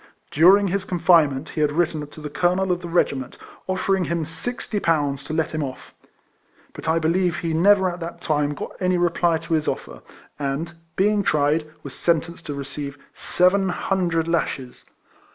During his confinement he had written to the colonel of the regim.ent, oifering him sixty pounds to let him off; but I believe he never at that time got any reply to his offer, and, being tried, was sentenced to receive seven hundred lashes.